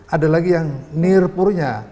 ada lagi yang nirpurnya